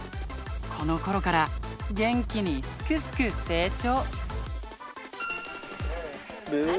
このころから元気にすくすく成長。